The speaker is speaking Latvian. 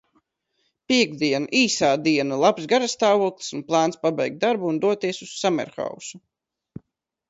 Piektdiena, īsā diena, labs garastāvoklis un plāns pabeigt darbu un doties uz sammerhausu.